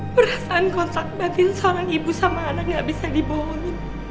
perasaan kontak batin seorang ibu sama anak gak bisa dibohongin